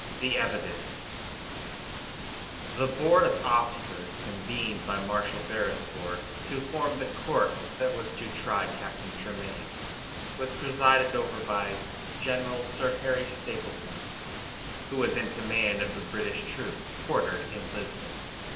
THE EVIDENCE The board of officers convened by Marshal Beresford to form the court that was to try Captain Tremayne, was presided over by General Sir Harry Stapleton, who was in command of the British troops quartered in Lisbon.